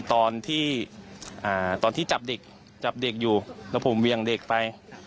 ตอนที่ตอนที่จับเด็กจับเด็กอยู่แล้วผมเวียงเด็กไป